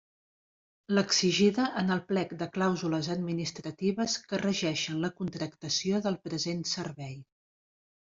L'exigida en el plec de clàusules administratives que regeixen la contractació del present servei.